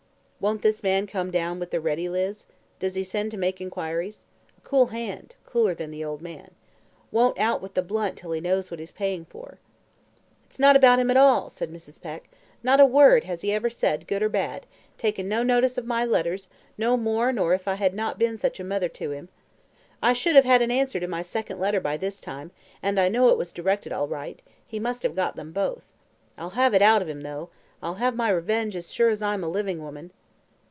"Won't this man come down with the ready, Liz? Does he send to make inquiries? A cool hand cooler than the old man. Won't out with the blunt till he knows what he's paying for." "It's not about him at all," said Mrs. Peck. "Not a word has he ever said, good or bad taken no notice of my letters, no more nor if I had not been such a mother to him. I should have had an answer to my second letter by this time, and I know it was directed all right; he must have got them both. I'll have it out of him, though. I'll have my revenge, as sure as I am a living woman."